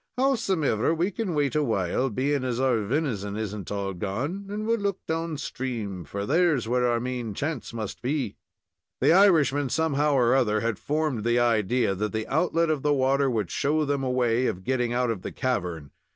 Howsumever, we can wait awhile, being as our venizon isn't all gone, and we'll look down stream, for there's where our main chance must be." The Irishman, somehow or other, had formed the idea that the outlet of the water would show them a way of getting out of the cavern.